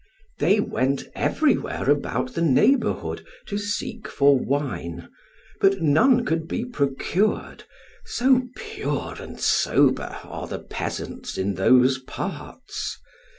they went everywhere about the neighborhood to seek for wine, but none could be procured, so pure and sober are the peasants in those parts.